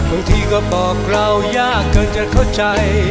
บางทีก็บอกเรายากจนจะเข้าใจ